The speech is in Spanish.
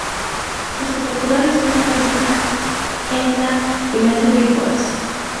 Espectacular e histórica escena en la que nace Big Boss.